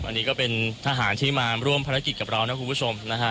อันนี้ก็เป็นทหารที่มาร่วมภารกิจกับเรานะคุณผู้ชมนะฮะ